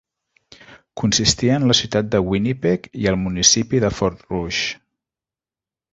Consistia en la ciutat de Winnipeg i el municipi de Fort Rouge.